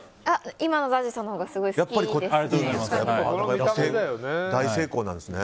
今のＺＡＺＹさんのほうがすごい好きですね。